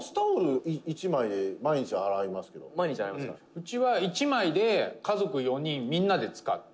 「うちは、１枚で家族４人、みんなで使って」